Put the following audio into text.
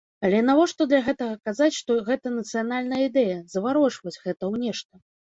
Але навошта для гэтага казаць, што гэта нацыянальная ідэя, заварочваць гэта ў нешта?